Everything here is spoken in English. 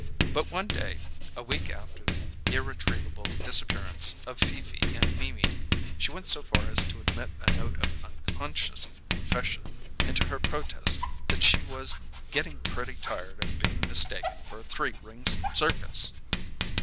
But one day, a week after the irretrievable disappearance of Fifi and Mimi, she went so far as to admit a note of unconscious confession into her protest that she was getting pretty tired of being mistaken for a three ring circus!